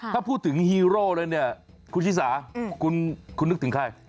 ถ้าพูดถึงฮีโร่แล้วเนี่ยคุณชิสาคุณนึกถึงใคร